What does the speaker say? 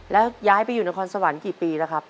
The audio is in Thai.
แล้วย้ายไปอยู่นครสวรรค์กี่ปีแล้วครับ